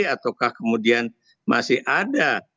ataukah kemudian masih ada